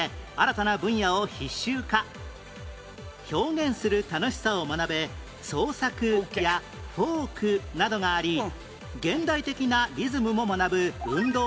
表現する楽しさを学べ「創作」や「フォーク」などがあり現代的なリズムも学ぶ運動は何？